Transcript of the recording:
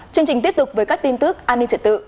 chương trình tiếp tục với các tin tức an ninh trật tự